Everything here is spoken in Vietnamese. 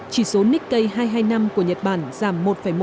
chỉ số nikkei hai trăm hai mươi năm của nhật bản giảm một một